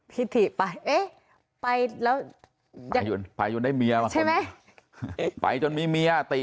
พี่ติไปไปแล้วใช่มั้ยไปจนได้เมียไปจนมีเมียตี